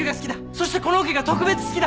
そしてこのオケが特別好きだ。